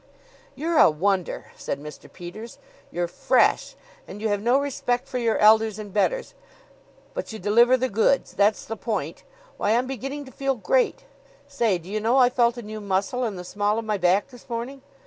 "You're a wonder!" said Mr. Peters. "You're fresh, and you have no respect for your elders and betters; but you deliver the goods. That's the point. Why, I'm beginning to feel great! Say, do you know I felt a new muscle in the small of my back this morning?